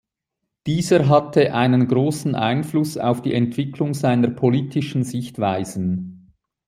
Dieser hatte einen großen Einfluss auf die Entwicklung seiner politischen Sichtweisen.